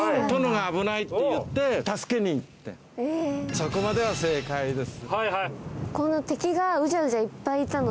そこまでは正解です。